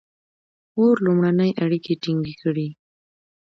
• اور لومړنۍ اړیکې ټینګې کړې.